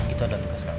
itu adalah tugas kamu